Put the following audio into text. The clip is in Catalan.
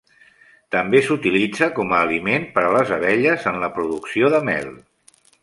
També s'utilitza com a aliment per a les abelles en la producció de mel.